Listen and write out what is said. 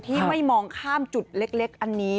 ที่ไม่มองข้ามจุดเล็กอันนี้